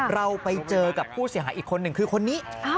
เราไปเจอกับผู้เสียหายอีกคนหนึ่งคือคนนี้